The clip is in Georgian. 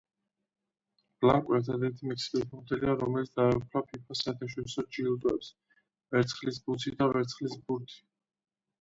ბლანკო ერთადერთი მექსიკელი ფეხბურთელია, რომელიც დაეუფლა ფიფა-ს საერთაშორისო ჯილდოებს „ვერცხლის ბუცი“ და „ვერცხლის ბურთი“.